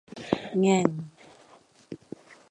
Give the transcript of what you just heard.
แง่ง !